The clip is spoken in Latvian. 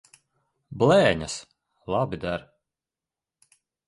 Blēņas! Labi der.